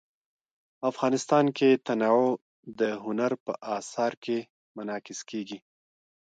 افغانستان کې تنوع د هنر په اثار کې منعکس کېږي.